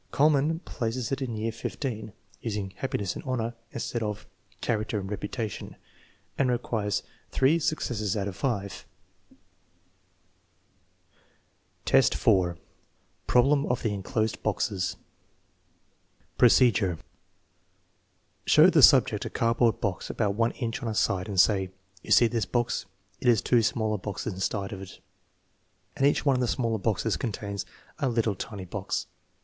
Kuhlmann places it in year XV, using " happiness and honor " instead of our " character and reputation," and requires three successes out of five. Average adult, 4: problem of the enclosed boxes Procedure. Show the subject a cardboard box about one inch on a side. Say: " You see this box; it has two smaller boxes inside of it, and each one of the smaller boxes contains a little tiny box.